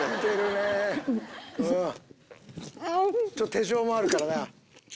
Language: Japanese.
手錠もあるからな。